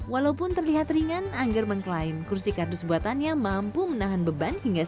walaupun terlihat ringan angger mengklaim kursi kardus buatannya mampu menahan beban hingga satu ratus enam puluh kg